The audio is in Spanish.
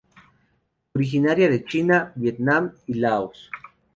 Originaria de China, Vietnam y Laos.